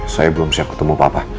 saya belum siap ketemu papa